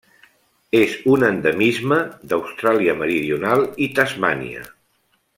És un endemisme d'Austràlia Meridional i Tasmània.